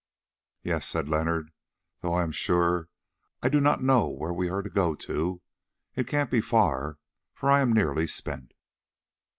"Yes," said Leonard, "though I am sure I do not know where we are to go to. It can't be far, for I am nearly spent."